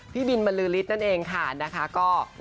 พี่บินมันลือลิตวันก่อนนี้ครับ